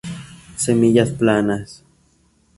Semillas planas.